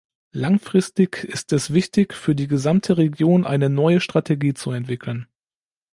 Langfristig ist es wichtig, für die gesamte Region eine neue Strategie zu entwickeln.